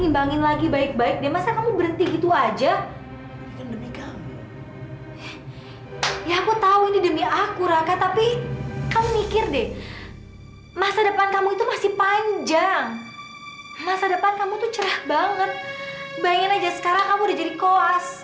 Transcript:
bayangin aja sekarang kamu sudah jadi koas